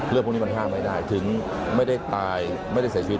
พวกนี้มันห้ามไม่ได้ถึงไม่ได้ตายไม่ได้เสียชีวิต